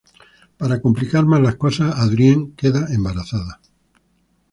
Para complicar más las cosas, Adrienne queda embarazada.